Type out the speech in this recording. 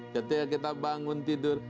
ketika kita bangun tidur